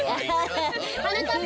はなかっぱ！